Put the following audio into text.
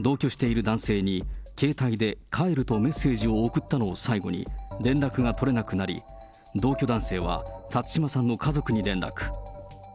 同居している男性に、携帯で、帰るとメッセージを送ったのを最後に連絡が取れなくなり、同居男性は辰島さんの家族に連絡。